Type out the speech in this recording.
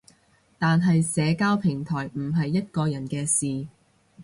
但係社交平台唔係一個人嘅事